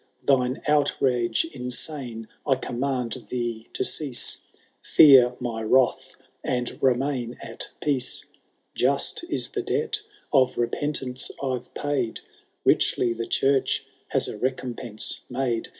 Thine outrage insane I command thee to cease, Fear my wrath and remain at peace :— Just is the debt of repentance I^ve paid. Richly the church has a recompense made.